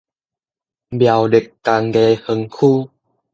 苗栗工藝園區